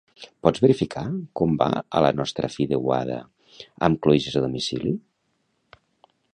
Pots verificar com va a la nostra fideuada amb cloïsses a domicili?